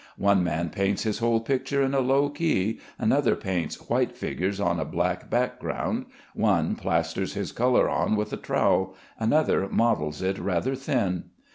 One man paints his whole picture in a low key, another paints white figures on a black background, one plasters his color on with a trowel, another models it rather thin.